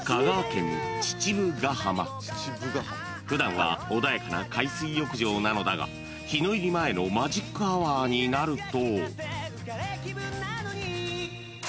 ［普段は穏やかな海水浴場なのだが日の入り前のマジックアワーになると］